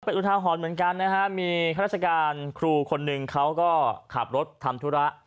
เป็นอุทาหรณ์เหมือนกันนะฮะมีข้าราชการครูคนหนึ่งเขาก็ขับรถทำธุระ